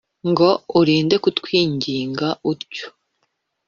ngo urinde kutwinginga utyo?